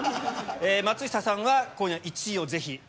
松下さんは今夜１位をぜひ。